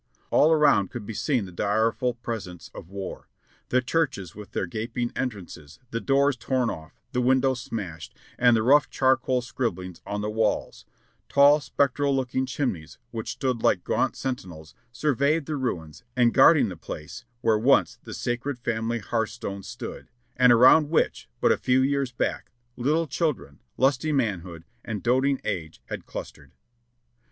All around could be seen the direful presence of war — the churches with their gaping entrances, the doors torn ofif, the windows smashed, and the rough charcoal scribblings on the walls; tall, spectral looking chimneys, which stood like gaunt sentinels surveying the ruins and guarding the place where once the sacred family hearthstone stood, and around which, but a few 3^ears back, little children, lusty manhood and doting age had clustered.